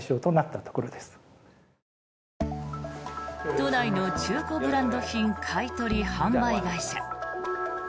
都内の中古ブランド品買い取り・販売会社。